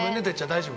大丈夫？